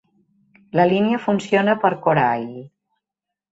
La línia funciona per Korail.